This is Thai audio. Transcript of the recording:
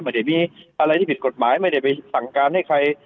ไม่ได้มีอะไรที่ผิดกฎหมายไม่ได้ไปสั่งการให้ใคร